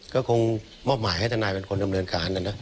ก็คงมอบหมายให้ทนายเป็นคนดำเนินการนะนะ